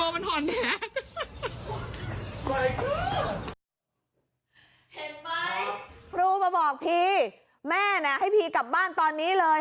แม่เนี้ยให้พีกลับบ้านตอนนี้เลย